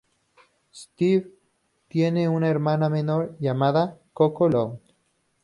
Steve tiene una hermana menor llamada Coco Lund.